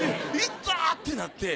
痛ってなって。